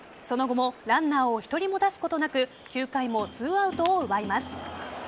その後もランナーを１人も出すことなく９回も２アウトを奪います。